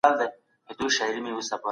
د دغي پلمې په وجه د ژبې زده کړه مه ځنډوه.